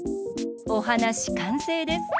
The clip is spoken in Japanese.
おはなしかんせいです。